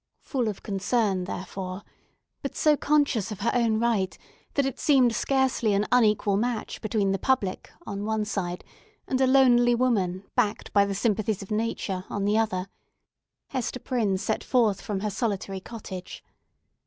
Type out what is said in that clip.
Full of concern, therefore—but so conscious of her own right that it seemed scarcely an unequal match between the public on the one side, and a lonely woman, backed by the sympathies of nature, on the other—Hester Prynne set forth from her solitary cottage.